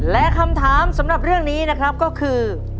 และคำถามสำหรับเรื่องนี้นะครับก็คือ